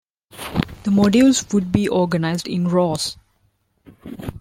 The modules would be organized in rows.